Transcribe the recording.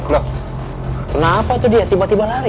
loh kenapa itu dia tiba tiba lari